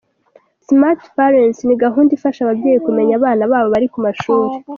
Smart Parents ni gahunda ifasha ababyeyi kumenya abana babo bari ku mashuri.